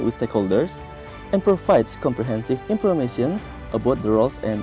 dan memberikan informasi komprehensif tentang peran dan beban